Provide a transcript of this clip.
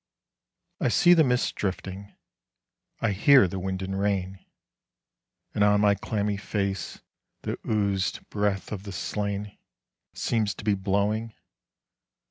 I see the mist drifting. I hear the wind and rain, And on my clammy face the oozed breath of the slain Seems to be blowing.